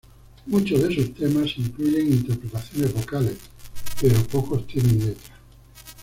Muchos de sus temas incluyen interpretaciones vocales, pero pocos tienen letra.